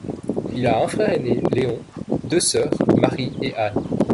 Il a un frère aîné, Léon, deux sœurs, Marie et Anne.